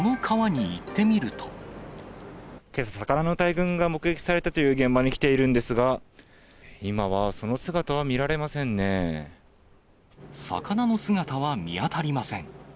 けさ、魚の大群が目撃されたという現場に来ているんですが、魚の姿は見当たりません。